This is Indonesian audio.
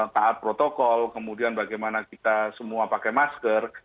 taat protokol kemudian bagaimana kita semua pakai masker